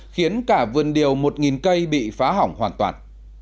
khiến cả vườn điều một cây bị phá hỏng hoàn toàn